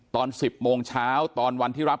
ตอน๑๐โมงเช้าตอนวันที่รับ